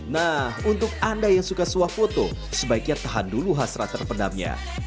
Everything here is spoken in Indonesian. nah untuk anda yang suka suah foto sebaiknya tahan dulu hasrat terpendamnya